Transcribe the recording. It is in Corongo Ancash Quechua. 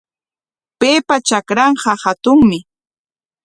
Paypa trakranqa hatunmi.